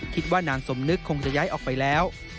คิดว่านางสมนึกคงจะย้ายออกไปแล้ว